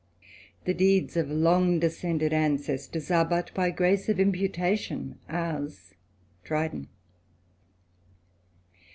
'* The deeds of long descended ancestors Are but by grace of imputation ours." Dryden.